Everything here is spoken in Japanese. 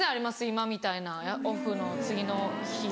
今みたいなオフの次の日とか。